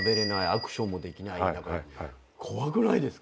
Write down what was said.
アクションもできない中で怖くないですか？